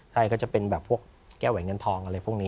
ใช่ก็จะเป็นแบบพวกแก้วแหวนเงินทองอะไรพวกนี้